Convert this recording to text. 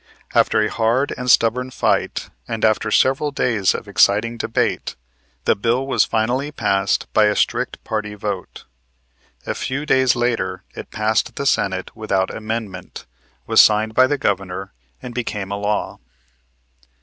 After a hard and stubborn fight, and after several days of exciting debate, the bill was finally passed by a strict party vote. A few days later it passed the Senate without amendment, was signed by the Governor, and became a law.